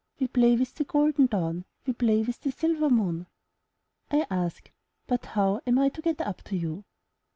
We play with the golden dawn, we play with the silver moon/* I ask, ''But, how am I to get up to you?''